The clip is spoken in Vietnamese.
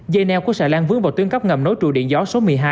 dây neo của xà lan vướng vào tuyến cắp ngầm nối trụ điện gió số một mươi hai